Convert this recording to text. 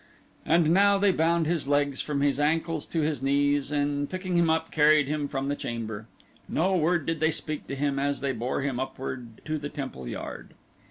And now they bound his legs from his ankles to his knees and picking him up carried him from the chamber. No word did they speak to him as they bore him upward to the temple yard.